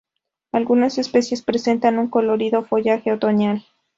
Algunas especies presentan un colorido follaje otoñal.